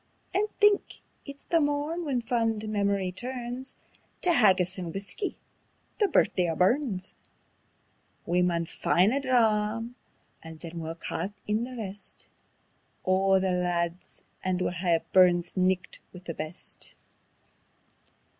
And think! it's the morn when fond memory turns Tae haggis and whuskey the Birthday o' Burns. We maun find a dram; then we'll ca' in the rest O' the lads, and we'll hae a Burns' Nicht wi' the best."